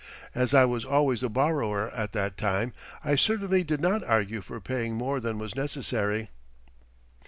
As I was always the borrower at that time, I certainly did not argue for paying more than was necessary.